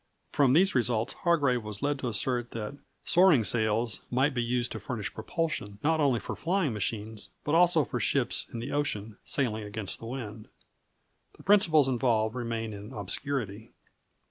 From these results Hargrave was led to assert that "soaring sails" might be used to furnish propulsion, not only for flying machines, but also for ships on the ocean sailing against the wind. The principles involved remain in obscurity.